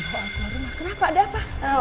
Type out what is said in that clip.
bawa keluar rumah kenapa ada apa